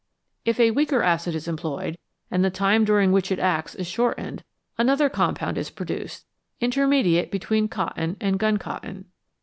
If a weaker acid is employed, and the time during which it acts is shortened, another compound is produced, intermediate between cotton and gun cotton.